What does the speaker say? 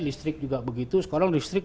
listrik juga begitu sekarang listrik